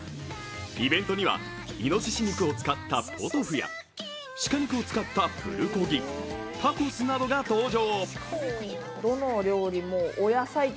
イベントには、いのしし肉を使ったポトフや鹿肉を使ったプルコギ、タコスなどが登場。